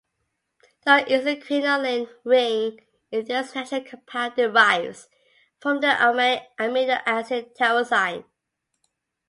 The isoquinoline ring in these natural compound derives from the aromatic amino acid tyrosine.